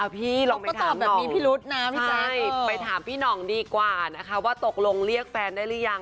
พี่ลองไปถามพี่น้องไปถามพี่น้องดีกว่าว่าตกลงเรียกแฟนได้หรือยัง